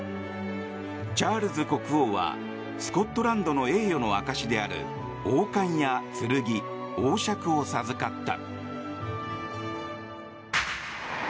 チャールズ国王はスコットランドの栄誉の証しである王冠や剣、王笏を授かった。